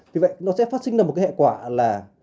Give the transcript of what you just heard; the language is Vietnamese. vì vậy nó sẽ phát sinh ra một cái hệ quả là